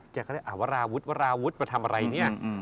ก็ได้อวราวุฒิวราวุฒิมาทำอะไรเนี่ย